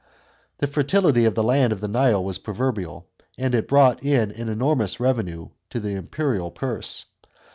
The fertility of the land of the Nile was proverbial, and it brought in an enormous revenue to the imperial purse.